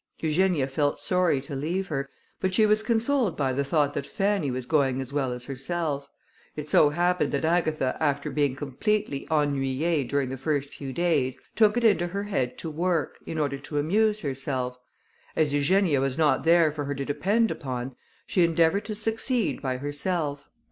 Eugenia felt sorry to leave her, but she was consoled by the thought that Fanny was going as well as herself. It so happened that Agatha after being completely ennuyée during the first few days, took it into her head to work, in order to amuse herself. As Eugenia was not there for her to depend upon, she endeavoured to succeed by herself.